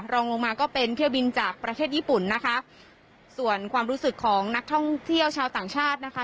รองลงมาก็เป็นเที่ยวบินจากประเทศญี่ปุ่นนะคะส่วนความรู้สึกของนักท่องเที่ยวชาวต่างชาตินะคะ